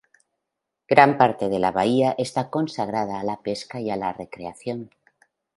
Gran parte de la bahía está consagrada a la pesca y la recreación.